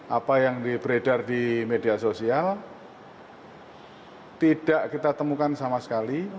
apa yang di beredar di media sosial tidak kita temukan sama sekali